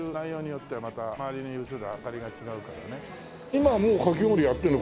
今もうかき氷やってるの？